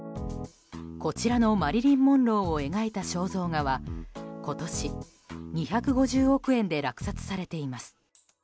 こちらの、マリリン・モンローを描いた肖像画は今年、２５０億円で落札されています。